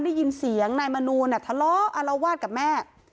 ได้ยินเสียงนายมนูนทะเลาะอารวาสกับแม่